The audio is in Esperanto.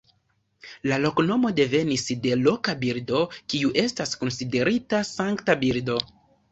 La loknomo devenis de loka birdo, kiu estas konsiderita sankta birdo.